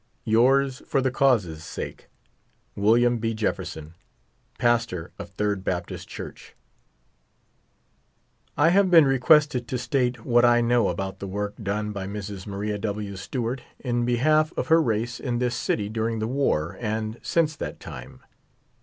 Yours for the cause's sake, WM. B. JEFFERSON. Pastor of Third Baptist Church. I have been requested to state what I know about the work done by Mrs. Maria W. Stewart in behalf of her race in this city during the war and since that time.